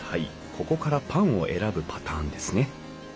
ここからパンを選ぶパターンですね。